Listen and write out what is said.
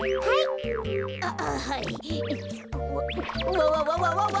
わわわわわわ。